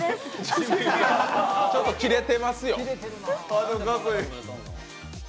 ちょっと切れてますよ。